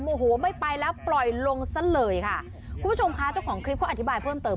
โอ้โหไม่ไปแล้วปล่อยลงซะเลยค่ะคุณผู้ชมค่ะเจ้าของคลิปเขาอธิบายเพิ่มเติม